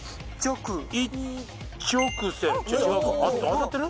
当たってる？